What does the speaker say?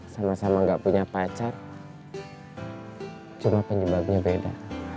sama sama nggak punya pacar cuma penyebabnya beda